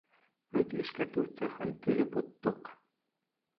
Һөт эшкәртеү цехын төҙөп оттоҡ.